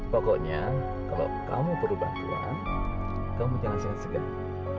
pokoknya kalau kamu perlu bantuan kamu jangan sangat segan